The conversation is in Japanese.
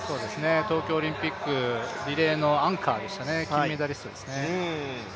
東京オリンピック、リレーのアンカーでしたね、金メダリストですね。